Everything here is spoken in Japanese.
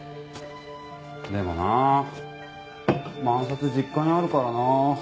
でもなあ万札実家にあるからな。